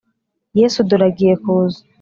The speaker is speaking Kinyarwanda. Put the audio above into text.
Yesu dore agiye kuza